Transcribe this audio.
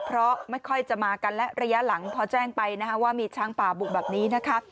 เพราะไม่ค่อยจะมากันและระยะหลังพอแจ้งไปนะคะว่ามีช้างป่าบุกแบบนี้นะคะ